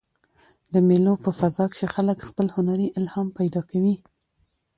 د مېلو په فضا کښي خلک خپل هنري الهام پیدا کوي.